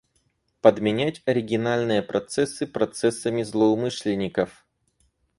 Подменять оригинальные процессы процессами злоумышленников